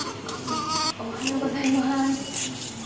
あおはようございます。